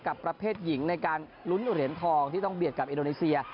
ประเภทหญิงในการลุ้นเหรียญทองที่ต้องเบียดกับอินโดนีเซีย